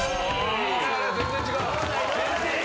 全然違う。